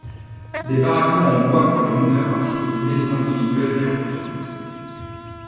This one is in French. Des baraquements en bois pour les mineurs ainsi que des maisons individuelles furent construites.